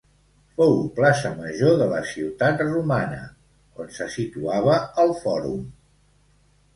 Fou plaça major de la ciutat romana, on se situava el fòrum.